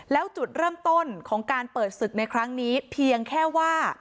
แล้วจุดเริ่มต้นของการเปิดศึกในครั้งนี้เพียงแค่ว่า